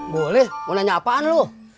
boleh mau nanya apaan loh